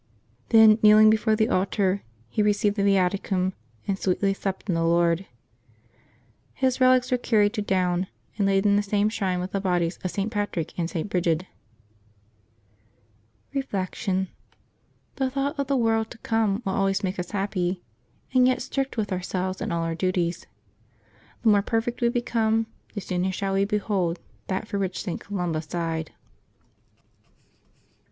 Then, kneeling before the altar, he received the Viaticum, and sweetly slept in the Lord. His relics were carried to Down, and laid in the same shrine with the bodies of St. Patrick and St. Brigid. June 10] LIVES OF TEE SAINTS 213 Reflection. — The thought of the world to come will always make us happy, and yet strict with ourselves in all our duties. The more perfect we become, the sooner shall we behold that for which St. Columba sighed.